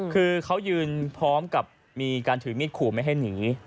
คือเขายืนพร้อมกับมีการถือมีดขู่ไม่ให้หนี